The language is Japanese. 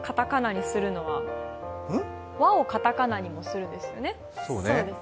ワをカタカナにもするんですよね？